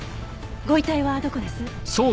ご遺体はどこです？